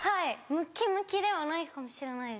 ムッキムキではないかもしれないです。